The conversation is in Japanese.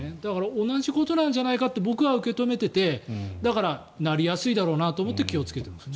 同じことなんじゃないかと僕は受け止めていてだから、なりやすいだろうなと思って気をつけています。